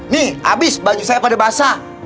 nih habis baju saya pada basah